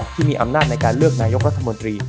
ที่มีอำนาจในการเลือกนายกรัฐมนตรี